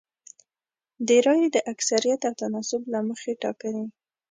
د رایو د اکثریت او تناسب له مخې ټاکنې